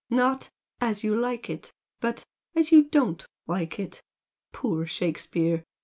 Not 'As You Like It' but 'As You Don't Like It!' Poor Shakespeare!